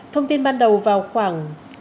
thông tin ban đầu vào khoảng